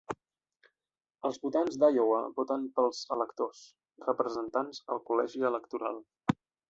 Els votants d'Iowa voten pels electors: representants al Col·legi Electoral.